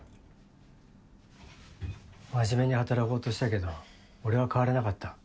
真面目に働こうとしたけど俺は変われなかった。